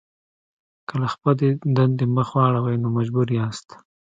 که له خپلې دندې مخ واړوئ نو مجبور یاست.